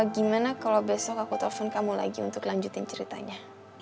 gimana kalau besok aku telepon kamu lagi untuk lanjutin ceritanya